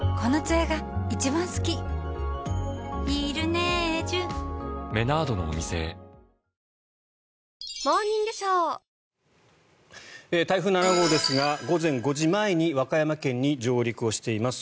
いいじゃないだって台風７号ですが午前５時前に和歌山県に上陸をしています。